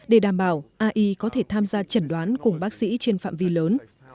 để đảm bảo ai có thể tham gia chẩn đoán cùng bác sĩ trên phạm vi lớn